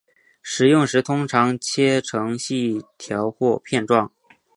食用时通常切成细条或片状。